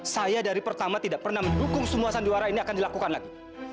saya dari pertama tidak pernah mendukung semua sandiwara ini akan dilakukan lagi